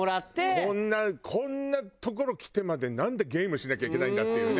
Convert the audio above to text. こんなこんな所来てまでなんでゲームしなきゃいけないんだっていうね。